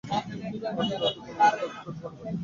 আজ রাত্রেই কোন মতে প্রাসাদ হইতে পালাইবার উপায় কহিয়া দাও!